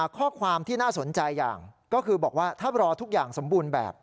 ข้อความที่น่าสนใจอย่างก็คือบอกว่าถ้ารอทุกอย่างสมบูรณ์แบบ